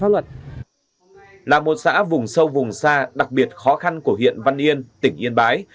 là một xã vùng sâu vùng xa đặc biệt khó khăn của huyện văn yên tỉnh yên bái